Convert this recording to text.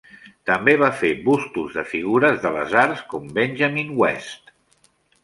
També va fer bustos de figures de les arts com Benjamin West.